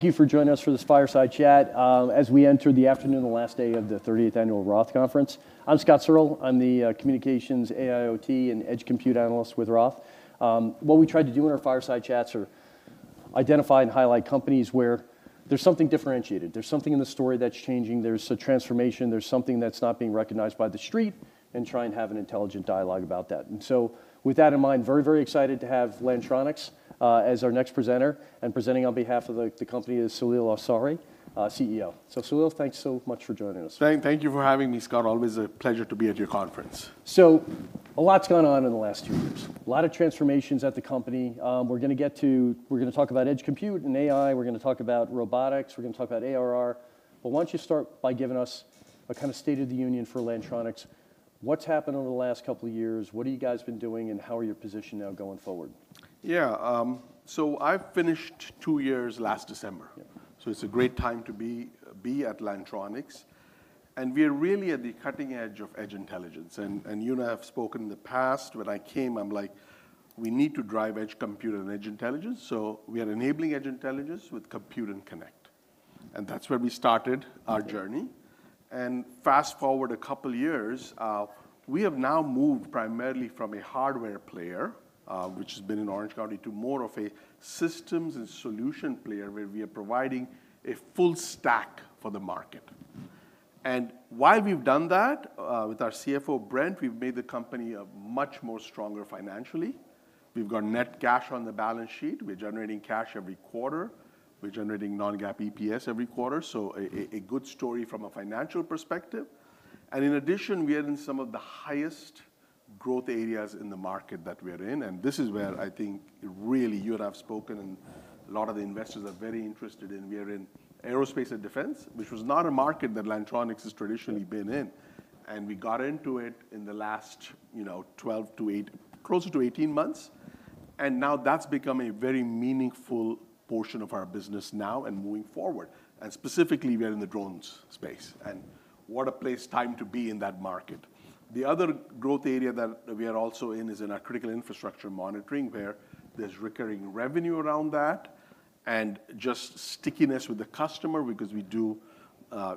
Thank you for joining us for this fireside chat as we enter the afternoon, the last day of the 38th Annual Roth Conference. I'm Scott Searle. I'm the communications AIoT and Edge Compute Analyst with Roth. What we try to do in our fireside chats are identify and highlight companies where there's something differentiated, there's something in the story that's changing, there's a transformation, there's something that's not being recognized by the Street, and try and have an intelligent dialogue about that. With that in mind, very, very excited to have Lantronix as our next presenter. Presenting on behalf of the company is Saleel Awsare, CEO. Saleel, thanks so much for joining us. Thank you for having me, Scott. Always a pleasure to be at your conference. A lot's gone on in the last two years, a lot of transformations at the company. We're gonna talk about Edge Computing and AI. We're gonna talk about robotics. We're gonna talk about ARR. Why don't you start by giving us a kinda state of the union for Lantronix. What's happened over the last couple years, what have you guys been doing, and how are you positioned now going forward? Yeah. I finished two years last December. Yeah. It's a great time to be at Lantronix, and we're really at the cutting edge of Edge Intelligence. You and I have spoken in the past. When I came, I'm like, "We need to drive Edge Computing and Edge Intelligence." We are enabling Edge Intelligence with Compute & Connect, and that's where we started our journey. Okay. Fast-forward a couple years, we have now moved primarily from a hardware player, which has been in Orange County, to more of a systems and solution player where we are providing a full stack for the market. Why we've done that, with our CFO, Brent Stringham, we've made the company a much more stronger financially. We've got net cash on the balance sheet. We're generating cash every quarter. We're generating non-GAAP EPS every quarter, so a good story from a financial perspective. In addition, we are in some of the highest growth areas in the market that we're in, and this is where I think really you and I have spoken and a lot of the investors are very interested in, we are in Aerospace and Defense, which was not a market that Lantronix has traditionally been in. We got into it in the last, you know, 8 to 12, closer to 18 months, and now that's become a very meaningful portion of our business now and moving forward. Specifically, we are in the drones space, and what a place, time to be in that market. The other growth area that we are also in is in our critical infrastructure monitoring, where there's recurring revenue around that and just stickiness with the customer because we do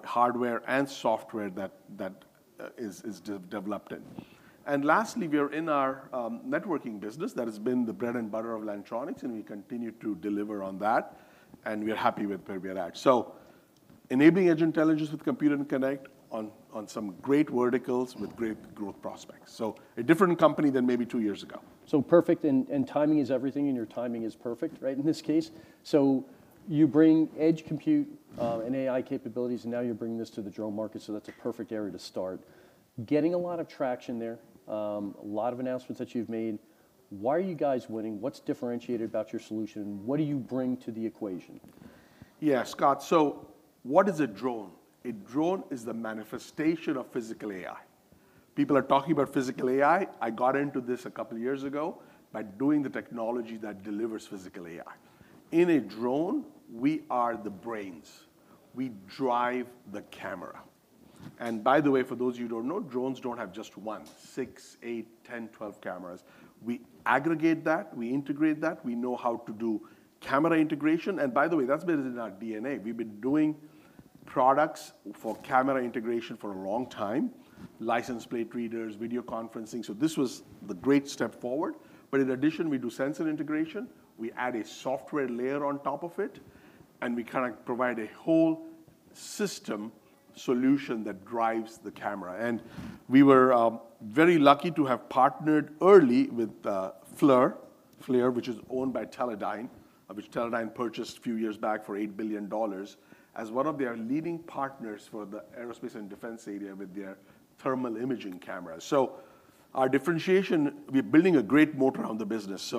hardware and software that is developed in. Lastly, we are in our networking business. That has been the bread and butter of Lantronix, and we continue to deliver on that, and we're happy with where we are at. Enabling Edge Intelligence with Compute & Connect on some great verticals with great growth prospects. A different company than maybe two years ago. Perfect and timing is everything, and your timing is perfect, right, in this case. You bring Edge Computing and AI capabilities, and now you're bringing this to the drone market, so that's a perfect area to start. Getting a lot of traction there, a lot of announcements that you've made. Why are you guys winning? What's differentiated about your solution? What do you bring to the equation? Yeah, Scott, what is a drone? A drone is the manifestation of Physical AI. People are talking about Physical AI. I got into this a couple years ago by doing the technology that delivers Physical AI. In a drone, we are the brains. We drive the camera, and by the way, for those of you who don't know, drones don't have just one. 6, 8, 10, 12 cameras. We aggregate that. We integrate that. We know how to do camera integration, and by the way, that's been in our DNA. We've been doing products for camera integration for a long time, license plate readers, video conferencing, so this was the great step forward. In addition, we do sensor integration. We add a software layer on top of it, and we kinda provide a whole system solution that drives the camera. We were very lucky to have partnered early with Teledyne FLIR. Teledyne FLIR, which is owned by Teledyne, which Teledyne purchased a few years back for $8 billion, as one of their leading partners for the aerospace and defense area with their thermal imaging cameras. Our differentiation, we're building a great moat around the business,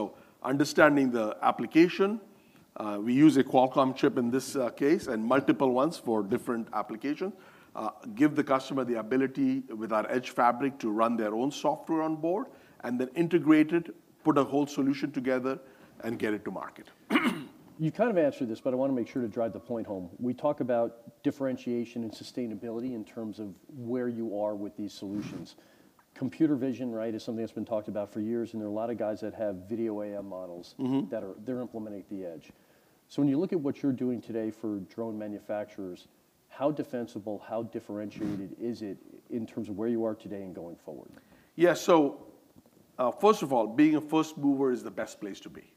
understanding the application. We use a Qualcomm chip in this case and multiple ones for different application. Give the customer the ability with our EdgeFabric.ai to run their own software on board and then integrate it, put a whole solution together, and get it to market. You kind of answered this, but I wanna make sure to drive the point home. We talk about differentiation and sustainability in terms of where you are with these solutions. Computer vision, right, is something that's been talked about for years, and there are a lot of guys that have video AI models. Mm-hmm... that are, they're implementing at the Edge. When you look at what you're doing today for drone manufacturers, how defensible, how differentiated is it in terms of where you are today and going forward? Yeah. First of all, being a first mover is the best place to be.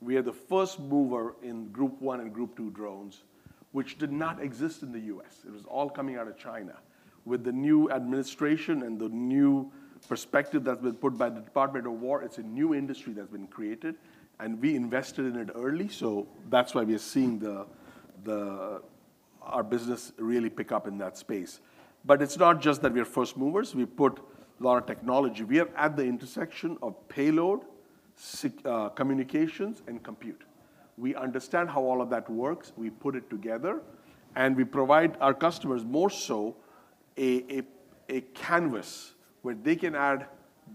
We are the first mover in Group 1 and Group 2 drones, which did not exist in the U.S. It was all coming out of China. With the new administration and the new perspective that was put by the Department of Defense, it's a new industry that's been created, and we invested in it early, so that's why we are seeing our business really pick up in that space. It's not just that we are first movers. We put a lot of technology. We are at the intersection of payload, communications, and compute. We understand how all of that works. We put it together, and we provide our customers more so a canvas where they can add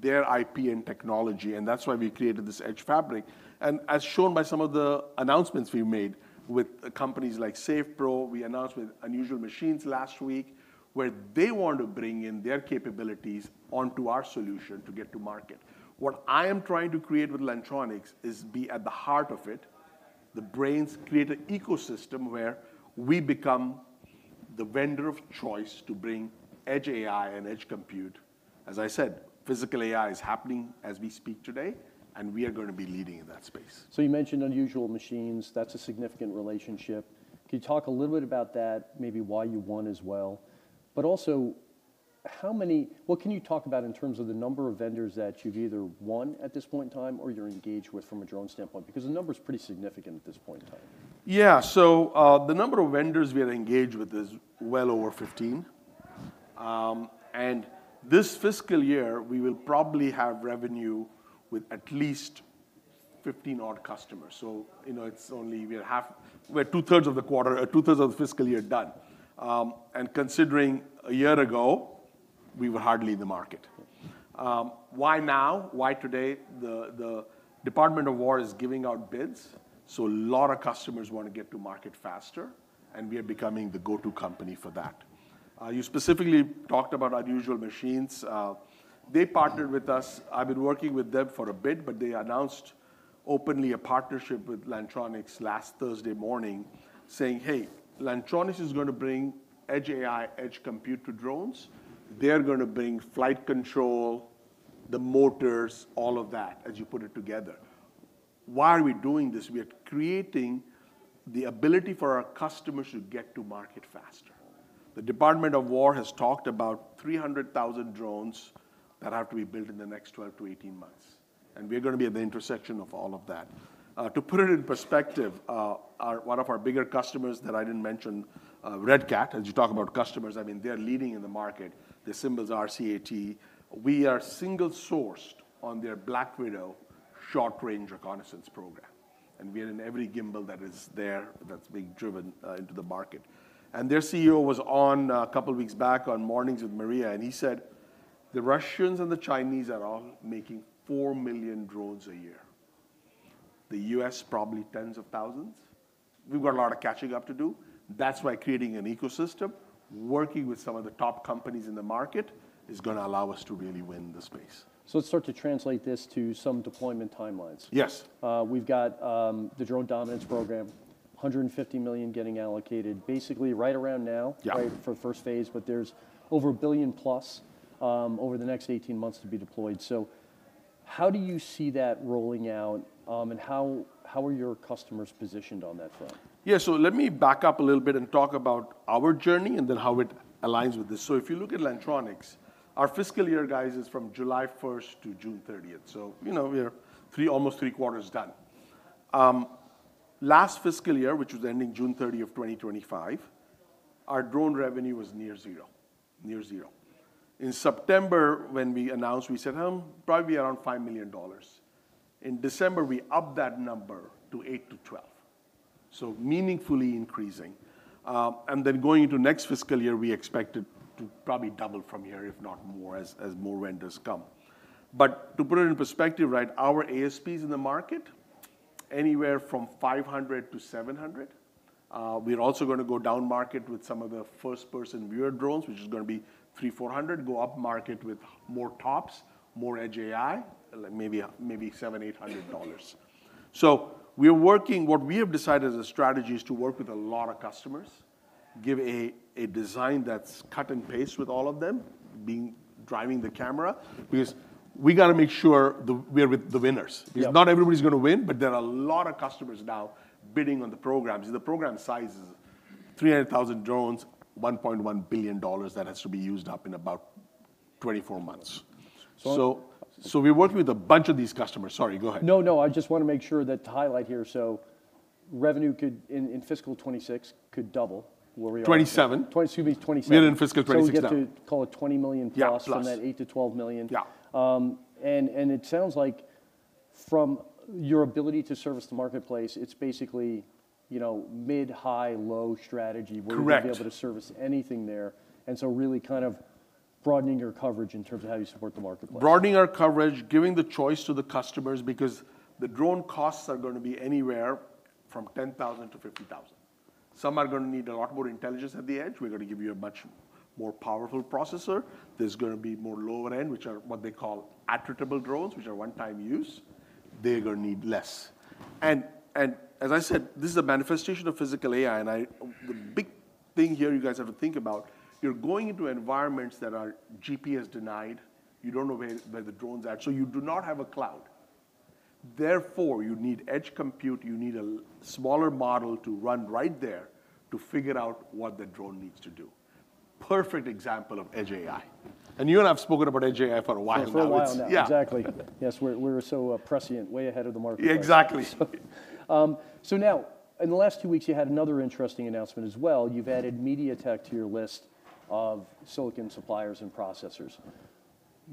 their IP and technology, and that's why we created this EdgeFabric.ai. As shown by some of the announcements we've made with companies like Safe Pro Group, we announced with Unusual Machines last week, where they want to bring in their capabilities onto our solution to get to market. What I am trying to create with Lantronix is be at the heart of it, the brains, create an ecosystem where we become the vendor of choice to bring edge AI and Edge Compute, as I said, Physical AI is happening as we speak today, and we are gonna be leading in that space. You mentioned Unusual Machines, that's a significant relationship. Can you talk a little bit about that, maybe why you won as well? What can you talk about in terms of the number of vendors that you've either won at this point in time or you're engaged with from a drone standpoint? Because the number's pretty significant at this point in time. Yeah. The number of vendors we are engaged with is well over 15. This fiscal year, we will probably have revenue with at least 15 odd customers. You know, we're 2/3 of the quarter, 2/3 of the fiscal year done. Considering a year ago, we were hardly in the market. Why now? Why today? The Department of Defense is giving out bids, so a lot of customers wanna get to market faster, and we are becoming the go-to company for that. You specifically talked about Unusual Machines. They partnered with us, I've been working with them for a bit, but they announced openly a partnership with Lantronix last Thursday morning, saying, "Hey, Lantronix is gonna bring edge AI, Edge Compute to drones. They're gonna bring flight control, the motors, all of that, as you put it together. Why are we doing this? We are creating the ability for our customers to get to market faster. The Department of Defense has talked about 300,000 drones that have to be built in the next 12-18 months, and we're gonna be at the intersection of all of that. To put it in perspective, one of our bigger customers that I didn't mention, Red Cat Holdings, as you talk about customers, I mean, they're leading in the market. Their symbol is RCAT. We are single-sourced on their Black Widow Short-Range Reconnaissance Program, and we are in every gimbal that is there that's being driven into the market. Their CEO was on, a couple weeks back, on Mornings with Maria, and he said, "The Russians and the Chinese are all making 4 million drones a year. The U.S., probably tens of thousands." We've got a lot of catching up to do. That's why creating an ecosystem, working with some of the top companies in the market, is gonna allow us to really win the space. Let's start to translate this to some deployment timelines. Yes. We've got the Drone Dominance program, $150 million getting allocated basically right around now. Yeah Right, for the first phase, but there's over $1 billion+ over the next 18 months to be deployed. How do you see that rolling out, and how are your customers positioned on that front? Yeah, let me back up a little bit and talk about our journey and then how it aligns with this. If you look at Lantronix, our fiscal year, guys, is from July 1st to June 30th, you know, we are 3/4 done. Last fiscal year, which was ending June 30th, 2025, our drone revenue was near zero. Near zero. In September, when we announced, we said, "Probably be around $5 million." In December, we upped that number to $8 million-$12 million, so meaningfully increasing. Going into next fiscal year, we expect it to probably double from here, if not more, as more vendors come. To put it in perspective, right, our ASPs in the market, anywhere from $500 to $700. We're also gonna go downmarket with some of the first-person view drones, which is gonna be $300-$400. Go upmarket with more tops, more Edge AI, maybe $700-$800. We are working, what we have decided as a strategy is to work with a lot of customers, give a design that's cut and paste with all of them, being driving the camera, because we gotta make sure that we're with the winners. Yeah. Because not everybody's gonna win, but there are a lot of customers now bidding on the programs, and the program size is 300,000 drones, $1.1 billion that has to be used up in about 24 months. So- We're working with a bunch of these customers. Sorry, go ahead. No, no. I just wanna make sure that to highlight here, so revenue could in fiscal 2026 could double where we are. $27 million. $27 million. Mid and fiscal 2026 now. We get to call it $20 million+- Yeah, plus from that $8 million-$12 million. Yeah. It sounds like from your ability to service the marketplace, it's basically, you know, mid, high, low strategy. Correct... where you'll be able to service anything there, and so really kind of broadening your coverage in terms of how you support the marketplace. Broadening our coverage, giving the choice to the customers, because the drone costs are gonna be anywhere from $10,000 to $50,000. Some are gonna need a lot more intelligence at the Edge. We're gonna give you a much more powerful processor. There's gonna be more lower end, which are what they call attritable drones, which are one-time use. They're gonna need less. And as I said, this is a manifestation of Physical AI. The big thing here you guys have to think about, you're going into environments that are GPS-denied. You don't know where the drone's at, so you do not have a cloud. Therefore, you need Edge Computing, you need a smaller model to run right there to figure out what the drone needs to do. Perfect example of edge AI. You and I have spoken about Edge AI for a while now. For a while now. It's yeah. Exactly. Yes, we're so prescient, way ahead of the market. Exactly. Now in the last two weeks, you had another interesting announcement as well. You've added MediaTek to your list of silicon suppliers and processors.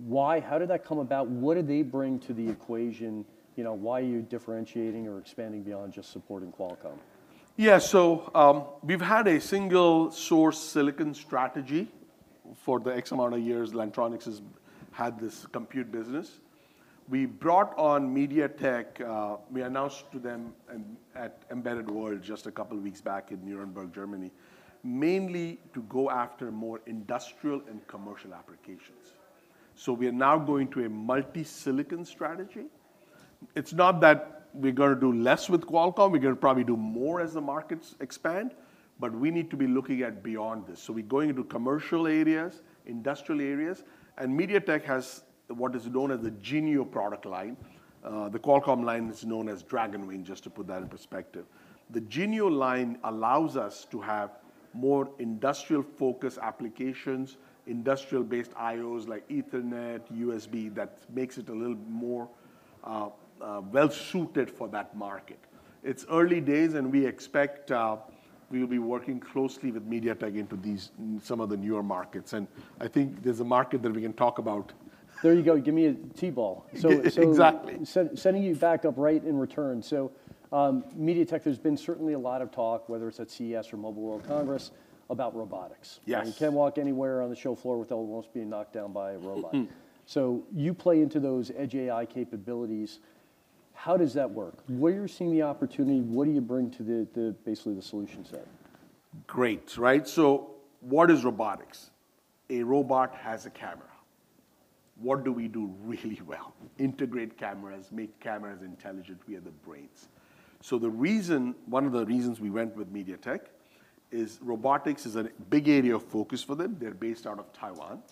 Why? How did that come about? What do they bring to the equation? You know, why are you differentiating or expanding beyond just supporting Qualcomm? Yeah. We've had a single source silicon strategy for the X amount of years Lantronix has had this compute business. We brought on MediaTek, we announced to them at Embedded World just a couple weeks back in Nuremberg, Germany, mainly to go after more industrial and commercial applications. We are now going to a multi-silicon strategy. It's not that we're gonna do less with Qualcomm, we're gonna probably do more as the markets expand, but we need to be looking beyond this. We're going into commercial areas, industrial areas, and MediaTek has what is known as the Genio product line. The Qualcomm line is known as Dragonwing, just to put that in perspective. The Genio line allows us to have more industrial-focused applications, industrial-based IoTs like Ethernet, USB, that makes it a little more well-suited for that market. It's early days, and we expect we'll be working closely with MediaTek into these, some of the newer markets. I think there's a market that we can talk about. There you go, give me a T-ball. So, so- Exactly. MediaTek, there's been certainly a lot of talk, whether it's at CES or Mobile World Congress, about robotics. Yes. You can't walk anywhere on the show floor without almost being knocked down by a robot. Mm. You play into those Edge AI capabilities. How does that work? Where you're seeing the opportunity, what do you bring to the basically the solution set? Great. Right. What is robotics? A robot has a camera. What do we do really well? Integrate cameras, make cameras intelligent. We are the brains. The reason, one of the reasons we went with MediaTek is robotics is a big area of focus for them. They're based out of Taiwan,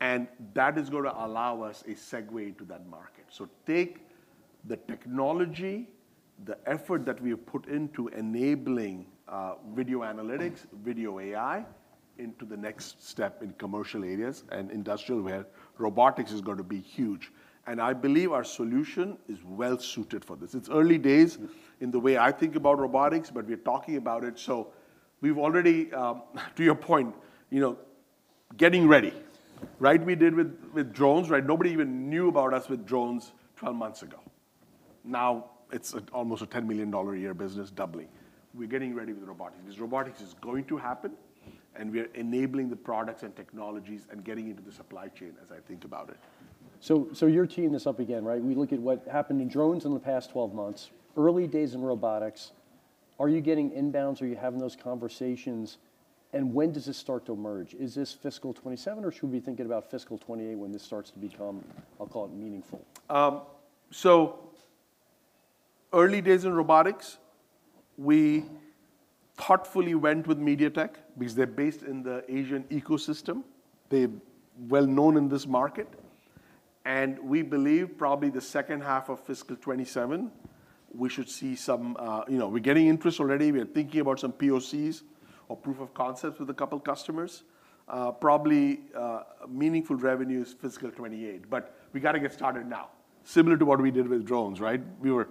and that is gonna allow us a segue to that market. Take the technology, the effort that we have put into enabling video analytics, video AI, into the next step in commercial areas and industrial, where robotics is going to be huge. I believe our solution is well suited for this. It's early days in the way I think about robotics, but we're talking about it, so we've already, to your point, you know, getting ready, right? We did with drones, right? Nobody even knew about us with drones 12 months ago. Now it's almost a $10 million a year business, doubling. We're getting ready with robotics. Because robotics is going to happen, and we are enabling the products and technologies and getting into the supply chain as I think about it. You're teeing this up again, right? We look at what happened in drones in the past 12 months, early days in robotics. Are you getting inbounds? Are you having those conversations? When does this start to emerge? Is this fiscal 2027, or should we be thinking about fiscal 2028 when this starts to become, I'll call it meaningful? Early days in robotics, we thoughtfully went with MediaTek because they're based in the Asian ecosystem. They're well known in this market, and we believe probably the second half of fiscal 2027, we should see some, you know. We're getting interest already. We are thinking about some POCs or proof of concepts with a couple customers. Probably meaningful revenue is fiscal 2028, but we gotta get started now. Similar to what we did with drones, right? We were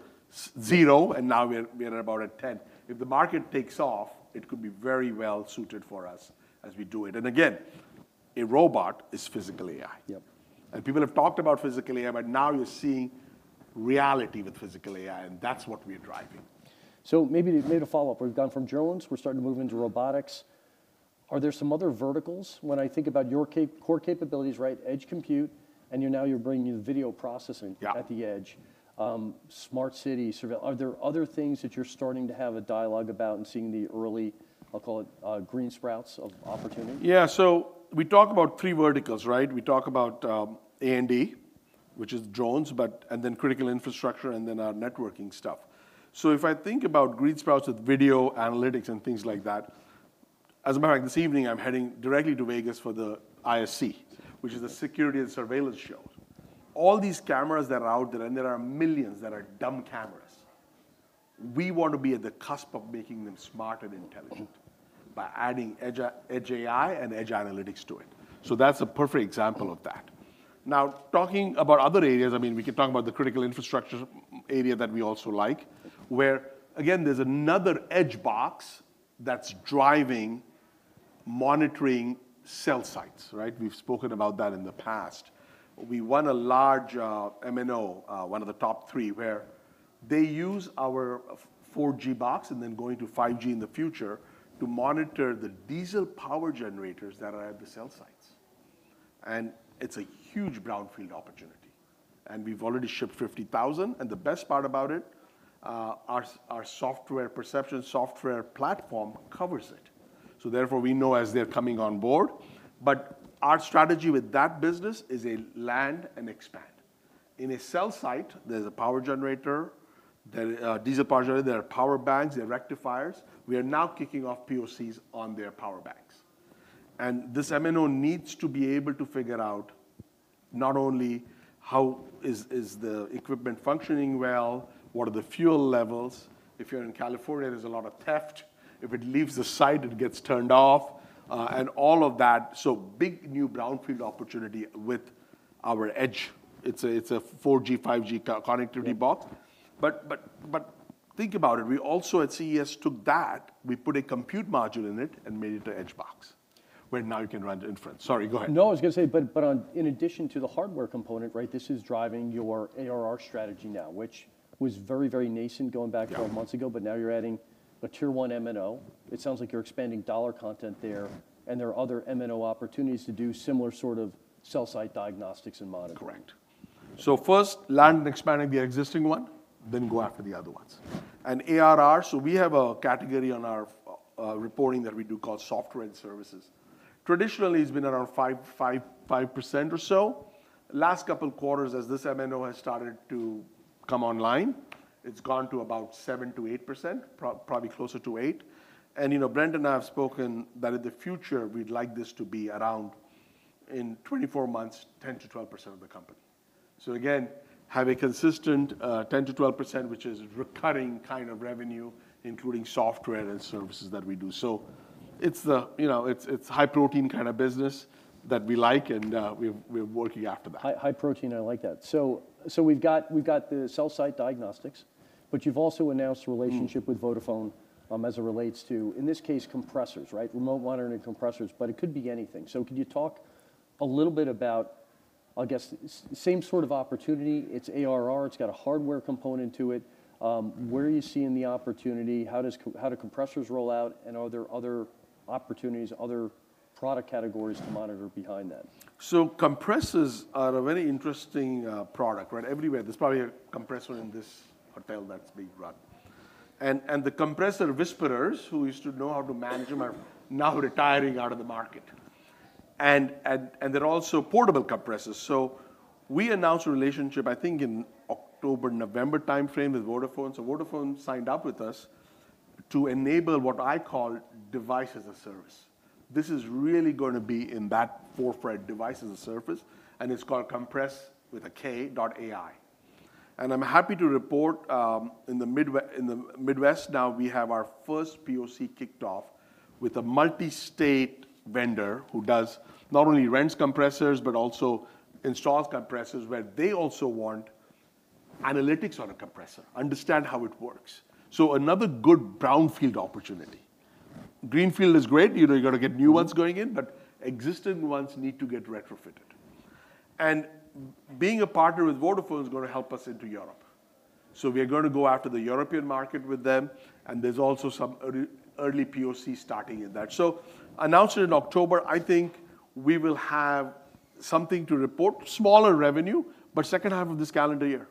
zero, and now we're at about a 10. If the market takes off, it could be very well suited for us as we do it. Again, a robot is Physical AI. Yep. People have talked about Physical AI, but now you're seeing reality with Physical AI, and that's what we're driving. Maybe to follow up. We've gone from drones, we're starting to move into robotics. Are there some other verticals? When I think about your core capabilities, right, Edge Computing, and you're now bringing video processing. Yeah... at the Edge. Smart cities, are there other things that you're starting to have a dialogue about and seeing the early, I'll call it, green sprouts of opportunity? Yeah. We talk about three verticals, right? We talk about A&D, which is drones, but and then critical infrastructure, and then our networking stuff. If I think about green shoots with video analytics and things like that, as a matter of fact, this evening, I'm heading directly to Vegas for the ISC, which is a security and surveillance show. All these cameras that are out there, and there are millions that are dumb cameras, we want to be at the cusp of making them smart and intelligent by adding edge AI and edge analytics to it. That's a perfect example of that. Now, talking about other areas, I mean, we can talk about the critical infrastructure area that we also like, where again, there's another edge box that's driving monitoring cell sites, right? We've spoken about that in the past. We won a large MNO, one of the top three, where they use our 4G box and then going to 5G in the future to monitor the diesel power generators that are at the cell sites. It's a huge brownfield opportunity, and we've already shipped 50,000, and the best part about it, our software Percepxion platform covers it. Therefore, we know as they're coming on board. Our strategy with that business is a land and expand. In a cell site, there's a power generator, diesel power generator, there are power banks, there are rectifiers. We are now kicking off POCs on their power banks. This MNO needs to be able to figure out not only how is the equipment functioning well, what are the fuel levels. If you're in California, there's a lot of theft. If it leaves the site, it gets turned off, and all of that. Big new brownfield opportunity with our edge. It's a 4G, 5G connectivity box. But think about it. We also at CES took that, we put a compute module in it and made it an edge box, where now you can run the inference. Sorry, go ahead. No, I was gonna say, but on, in addition to the hardware component, right, this is driving your ARR strategy now, which was very, very nascent going back 12 months ago. Yeah. Now you're adding a tier one MNO. It sounds like you're expanding dollar content there, and there are other MNO opportunities to do similar sort of cell site diagnostics and monitoring. Correct. First land and expanding the existing one, then go after the other ones. ARR, we have a category on our reporting that we do called software and services. Traditionally, it's been around 5% or so. Last couple quarters as this M&A has started to come online, it's gone to about 7%-8%, probably closer to 8%. Brent Stringham and I have spoken that in the future we'd like this to be around, in 24 months, 10%-12% of the company. Again, have a consistent 10%-12%, which is recurring kind of revenue, including software and services that we do. It's the it's high protein kinda business that we like, and we're working after that. High protein, I like that. We've got the cell site diagnostics, but you've also announced relationship- Mm with Vodafone, as it relates to, in this case, compressors, right? Remote monitoring compressors, but it could be anything. Can you talk a little bit about, I guess, same sort of opportunity, it's ARR, it's got a hardware component to it. Mm where are you seeing the opportunity? How do compressors roll out, and are there other opportunities, other product categories to monitor behind that? Compressors are a very interesting product, right? Everywhere, there's probably a compressor in this hotel that's being run. The compressor whisperers who used to know how to manage them are now retiring out of the market. There are also portable compressors. We announced a relationship, I think in October, November timeframe with Vodafone. Vodafone signed up with us to enable what I call Device as a Service. This is really gonna be in that forefront device as a service, and it's called Kompress.ai, with a K, .ai. I'm happy to report in the Midwest now we have our first POC kicked off with a multi-state vendor who does not only rents compressors, but also installs compressors, where they also want analytics on a compressor, understand how it works. Another good brownfield opportunity. Greenfield is great, you know, you gotta get new ones going in, but existing ones need to get retrofitted. Being a partner with Vodafone is gonna help us into Europe. We are gonna go after the European market with them, and there's also some early POC starting in that. Announced it in October, I think we will have something to report, smaller revenue, but second half of this calendar year.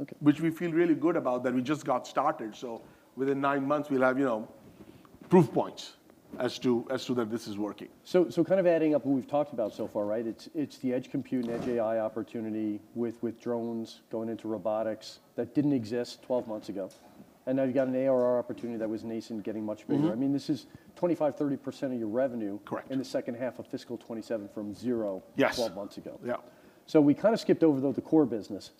Okay. Which we feel really good about that we just got started, so within nine months we'll have, you know, proof points as to that this is working. Kind of adding up what we've talked about so far, right? It's the Edge Computing and Edge AI opportunity with drones, going into robotics that didn't exist 12 months ago. Now you've got an ARR opportunity that was nascent getting much bigger. Mm-hmm. I mean, this is 25%-30% of your revenue. Correct in the second half of fiscal 2027 from zero Yes 12 months ago. Yeah. We kinda skipped over, though, the core business.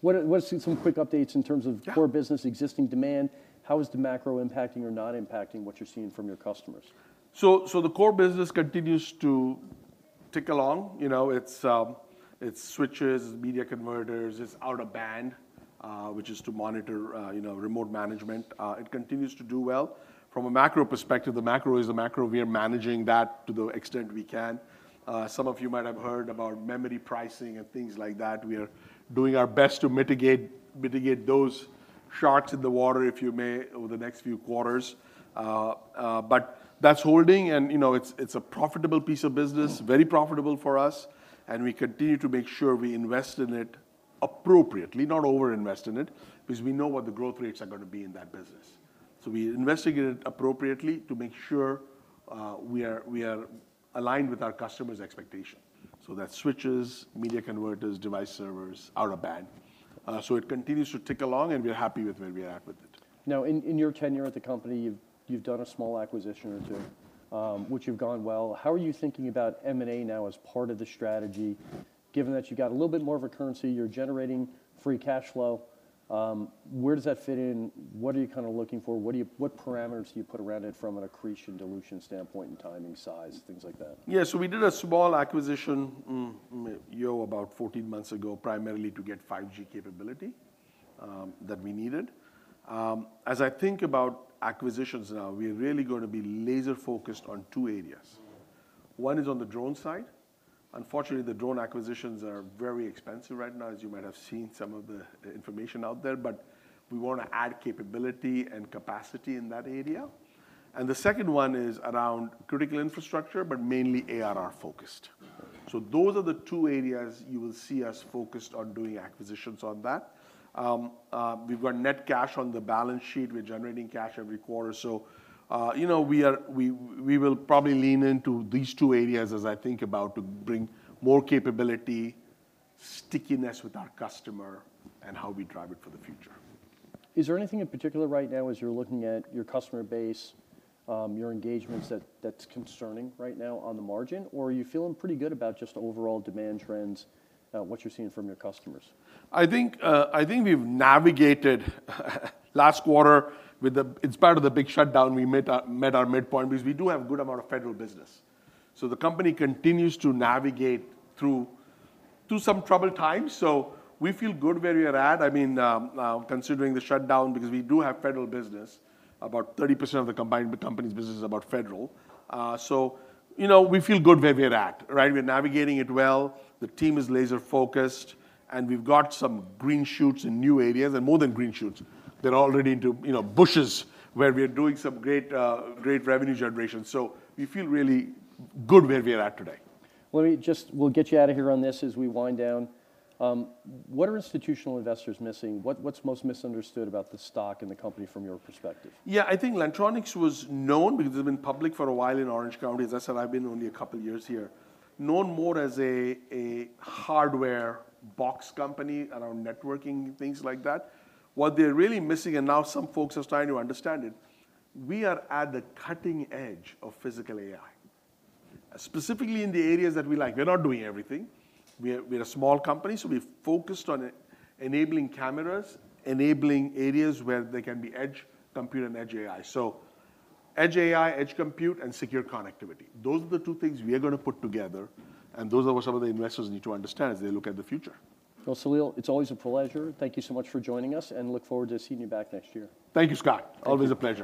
What are some quick updates in terms of- Sure Core business, existing demand? How is the macro impacting or not impacting what you're seeing from your customers? The core business continues to tick along. You know, it's switches, media converters, it's out-of-band, which is to monitor, you know, remote management. It continues to do well. From a macro perspective, the macro is the macro. We are managing that to the extent we can. Some of you might have heard about memory pricing and things like that. We are doing our best to mitigate those sharks in the water, if you may, over the next few quarters. But that's holding and, you know, it's a profitable piece of business, very profitable for us, and we continue to make sure we invest in it appropriately, not over-invest in it, because we know what the growth rates are gonna be in that business. We investigate it appropriately to make sure we are aligned with our customers' expectation. That's switches, media converters, device servers, out-of-band. It continues to tick along, and we're happy with where we're at with it. Now, in your tenure at the company, you've done a small acquisition or two, which have gone well. How are you thinking about M&A now as part of the strategy, given that you've got a little bit more of a currency, you're generating free cash flow, where does that fit in? What are you kinda looking for? What parameters do you put around it from an accretion/dilution standpoint and timing, size, things like that? Yeah. We did a small acquisition about 14 months ago, primarily to get 5G capability that we needed. As I think about acquisitions now, we're really gonna be laser focused on two areas. One is on the drone side. Unfortunately, the drone acquisitions are very expensive right now, as you might have seen some of the information out there, but we wanna add capability and capacity in that area. The second one is around critical infrastructure, but mainly ARR focused. Those are the two areas you will see us focused on doing acquisitions on that. We've got net cash on the balance sheet. We're generating cash every quarter. You know, we will probably lean into these two areas as I think about to bring more capability, stickiness with our customer, and how we drive it for the future. Is there anything in particular right now as you're looking at your customer base, your engagements that's concerning right now on the margin? Or are you feeling pretty good about just overall demand trends, what you're seeing from your customers? I think we've navigated last quarter in spite of the big shutdown, we met our midpoint, because we do have a good amount of federal business. The company continues to navigate through some troubled times. We feel good where we are at. I mean, considering the shutdown, because we do have federal business, about 30% of the combined company's business is federal. You know, we feel good where we're at, right? We're navigating it well. The team is laser focused, and we've got some green shoots in new areas, and more than green shoots. They're already into you know, bushes where we're doing some great revenue generation. We feel really good where we're at today. We'll get you out of here on this as we wind down. What are institutional investors missing? What’s most misunderstood about the stock and the company from your perspective? Yeah. I think Lantronix was known, because it's been public for a while in Orange County. As I said, I've been only a couple years here. Known more as a hardware box company around networking, things like that. What they're really missing, and now some folks are starting to understand it, we are at the cutting edge of Physical AI. Specifically in the areas that we like. We're not doing everything. We're a small company, so we're focused on enabling cameras, enabling areas where there can be Edge Computing and Edge AI. Edge AI, Edge Computing, and secure connectivity. Those are the two things we are gonna put together, and those are what some of the investors need to understand as they look at the future. Well, Salil, it's always a pleasure. Thank you so much for joining us, and I look forward to seeing you back next year. Thank you, Scott. Always a pleasure.